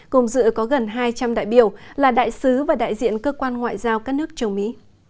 cùng dự có gần hai trăm linh đại biểu là đại sứ và đại diện cơ quan ngoại giao các nước châu mỹ